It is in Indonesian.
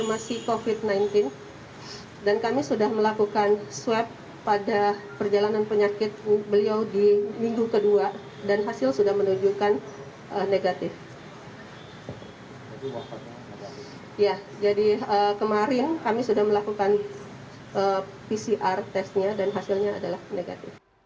jadi kemarin kami sudah melakukan pcr testnya dan hasilnya adalah negatif